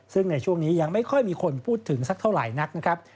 ซึ่งในช่วงนี้ยังไม่ค่อยมีคนพูดถึงสักเท่าไหร่นักนะครับ